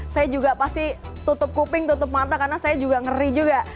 saya juga pasti tutup kuping tutup mata karena saya juga ngeri juga